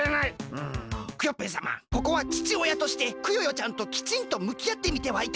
うんクヨッペンさまここはちちおやとしてクヨヨちゃんときちんとむきあってみてはいかがでしょうか？